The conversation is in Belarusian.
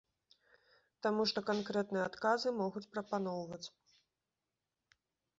Таму што канкрэтныя адказы могуць прапаноўваць.